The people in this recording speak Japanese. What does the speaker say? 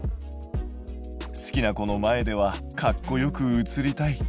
好きな子の前ではかっこよく写りたい。